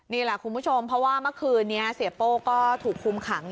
นี่แหละคุณผู้ชมเพราะว่าเมื่อคืนนี้เสียโป้ก็ถูกคุมขัง